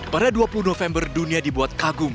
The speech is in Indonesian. pada dua puluh november dunia dibuat kagum